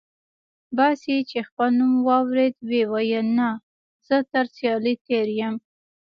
باسي چې خپل نوم واورېد وې ویل: نه، زه تر سیالۍ تېر یم.